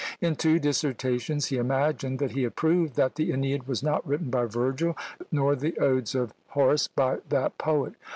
In two dissertations he imagined that he had proved that the Æneid was not written by Virgil, nor the Odes of Horace by that poet.